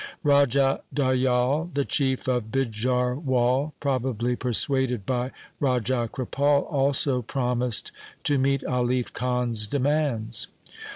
Raja Dayal, the chief of Bijharwal, probably persuaded by Raja Kripal, also promised to meet Alif Khan's demands.